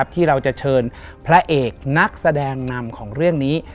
ที่เราจะเชิญพระเอกนักแสดงนำของเรื่องนี้